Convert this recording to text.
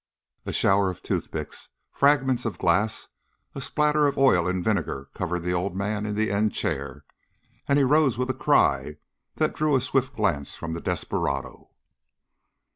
A shower of toothpicks, fragments of glass, a spatter of oil and vinegar covered the old man in the end chair, and he rose with a cry that drew a swift glance from the desperado.